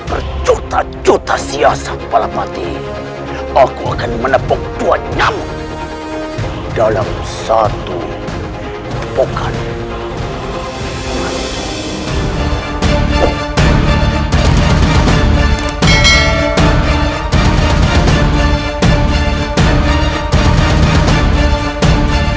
entahlah rai dia yang mencelakai selasti